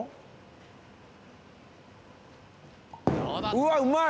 うわうまい！